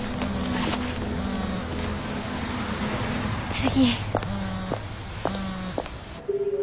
次。